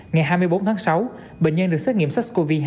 ngày hai mươi bốn tháng sáu bệnh nhân được xét nghiệm sars cov hai